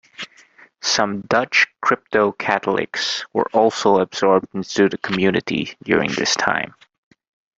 Some Dutch crypto-Catholics were also absorbed into the community during this time.